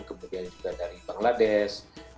kemudian juga dari bangladesh